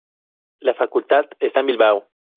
La Facultad esta en Bilbao.